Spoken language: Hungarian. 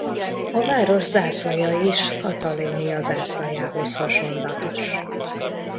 A város zászlaja is Katalónia zászlajához hasonlatos.